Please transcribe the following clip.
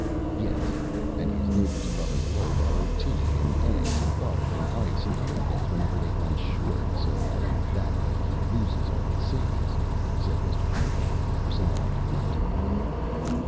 "Yes, and his neighbors above and below borrow tea and eggs and butter and ice and other things whenever they run short, so that in that way he loses all he saves," said Mr. Pedagog, resolved not to give in.